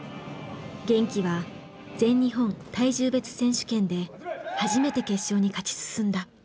玄暉は全日本体重別選手権で初めて決勝に勝ち進んだ。